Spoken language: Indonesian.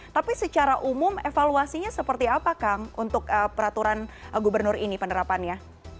tapi secara umum evaluasinya seperti apa kang untuk peraturan gubernur ini penerapannya